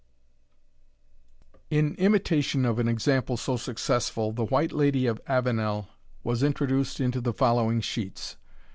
In imitation of an example so successful, the White Lady of Avenel was introduced into the following sheets.